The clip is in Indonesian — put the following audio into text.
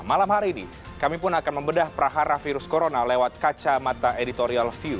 malam hari ini kami pun akan membedah prahara virus corona lewat kacamata editorial view